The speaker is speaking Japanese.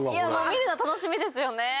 見るの楽しみですよね！